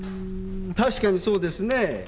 確かにそうですね。